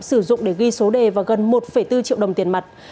sử dụng để ghi số đề và gần một bốn triệu đồng tiền mặt